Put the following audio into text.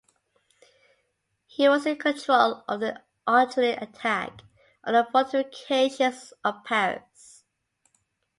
He was in control of the artillery attack on the fortifications of Paris.